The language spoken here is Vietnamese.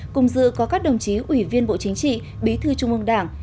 cùng dự có các đồng chí ủy viên bộ chính trị bí thư trung ương đảng